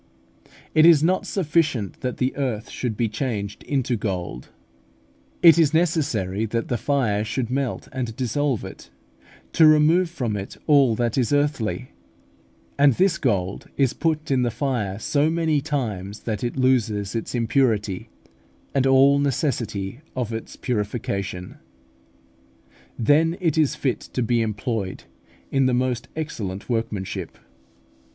It is not sufficient that the earth should be changed into gold; it is necessary that the fire should melt and dissolve it, to remove from it all that is earthly; and this gold is put in the fire so many times that it loses its impurity, and all necessity of purification. Then it is fit to be employed in the most excellent workmanship.